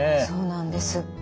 そうなんです。